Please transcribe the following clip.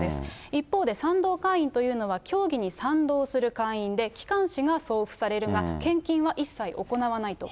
一方で賛同会員というのは、教義に賛同する会員で、機関誌が送付されるが、献金は一切行わないと。